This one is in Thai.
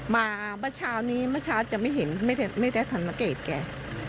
มาเมื่อเช้านี้เมื่อเช้าจะไม่เห็นไม่ได้สังเกตแก